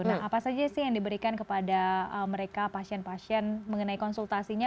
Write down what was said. nah apa saja sih yang diberikan kepada mereka pasien pasien mengenai konsultasinya